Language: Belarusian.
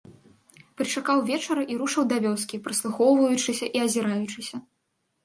Прычакаў вечара і рушыў да вёскі, прыслухоўваючыся і азіраючыся.